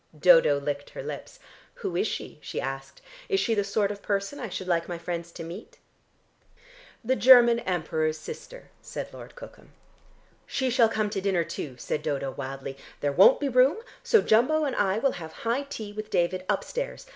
Dodo licked her lips. "Who is she?" she asked. "Is she the sort of person I should like my friends to meet?" "The German Emperor's sister," said Lord Cookham. "She shall come to dinner, too," said Dodo wildly. "There won't be room, so Jumbo and I will have high tea with David upstairs.